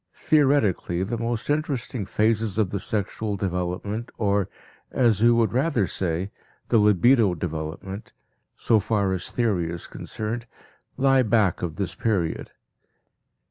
Theoretically the most interesting phases of the sexual development or, as we would rather say, the libido development, so far as theory is concerned, lie back of this period.